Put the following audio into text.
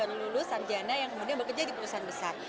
baru lulus sarjana yang kemudian bekerja di perusahaan besar